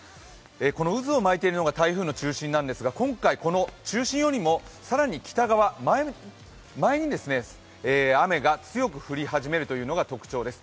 この渦を巻いているのが台風の中心なんですがこのこの中心よりも更に北側、雨が強く降り始めるというのが特徴です。